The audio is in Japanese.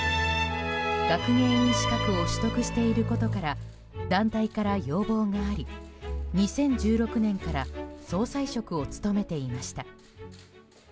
学芸員資格を取得していることから団体から要望があり２０１６年から総裁職を務めていました。